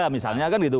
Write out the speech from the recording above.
misalnya kan gitu